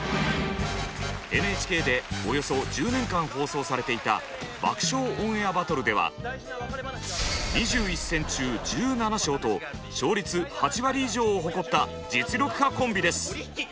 ＮＨＫでおよそ１０年間放送されていた「爆笑オンエアバトル」では２１戦中１７勝と勝率８割以上を誇った実力派コンビです。